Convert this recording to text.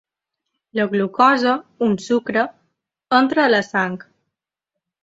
La glucosa, un sucre, entra a la sang.